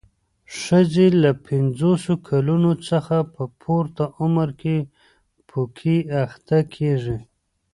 ښځې له پنځوسو کلونو څخه په پورته عمر کې پوکي اخته کېږي.